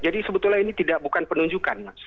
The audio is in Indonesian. jadi sebetulnya ini bukan penunjukan mas